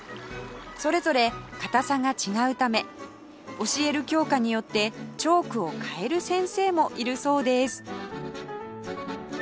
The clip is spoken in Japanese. それぞれ硬さが違うため教える教科によってチョークを変える先生もいるそうです